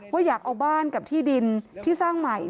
ว่าอยากเอาบ้านกับที่ดินที่สร้างใหม่